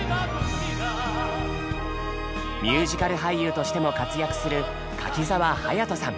ミュージカル俳優としても活躍する柿澤勇人さん。